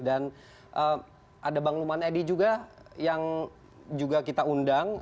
dan ada bang luman edi juga yang juga kita undang